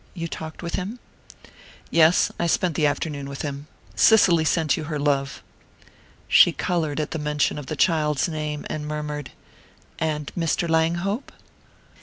You talked with him?" "Yes I spent the afternoon with him. Cicely sent you her love." She coloured at the mention of the child's name and murmured: "And Mr. Langhope?"